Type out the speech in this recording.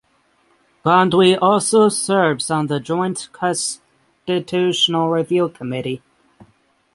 Gondwe also serves on the Joint Constitutional Review Committee.